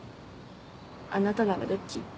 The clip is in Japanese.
あなたならどっち？